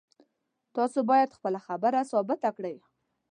تاسو باید خپله خبره ثابته کړئ